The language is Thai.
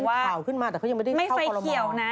ไม่ข่าวขึ้นมาแต่ก็ไม่ได้เข้าคอรมอง